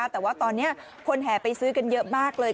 แต่ว่าตอนนี้คนแห่ไปซื้อกันเยอะมากเลย